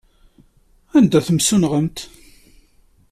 Anda ay tent-tessunɣemt?